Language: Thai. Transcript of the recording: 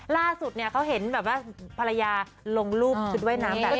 ล่าสุดเนี่ยเขาเห็นแบบว่าภรรยาลงรูปชุดว่ายน้ำแบบนี้